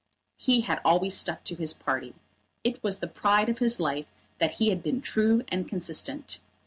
He had always stuck to his party. It was the pride of his life that he had been true and consistent.